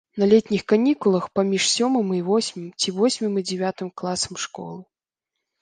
На летніх канікулах паміж сёмым і восьмым ці восьмым і дзявятым класамі школы.